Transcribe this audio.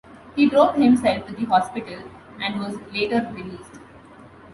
He drove himself to the hospital and was later released.